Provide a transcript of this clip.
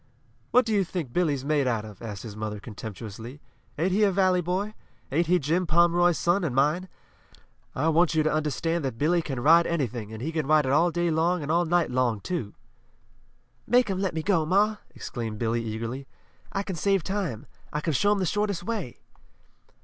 "What do you think Billy's made out of?" asked his mother contemptuously. "Ain't he a valley boy? Ain't he Jim Pomeroy's son and mine? I want you to understand that Billy can ride anything, and he can ride it all day long and all night long, too!" "Make 'em let me go, ma!" exclaimed Billy, eagerly. "I can save time. I can show 'em the shortest way!"